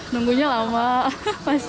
nunggunya lama panas